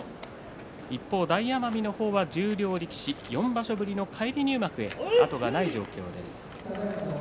一方、大奄美の方は十両力士４場所ぶりの返り入幕へ後がない状況です。